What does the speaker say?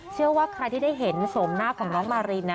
เชื่อว่าใครที่ได้เห็นโฉมหน้าของน้องมารินนะ